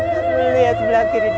lu liat sebelah kiri dikit